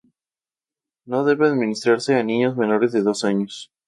No debe administrarse a niños menores de dos años.